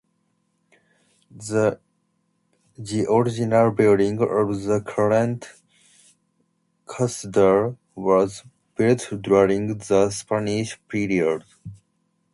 The original building of the current cathedral was built during the Spanish period.